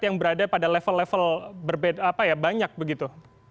yang berada pada level level berbeda apa ya banyak begitu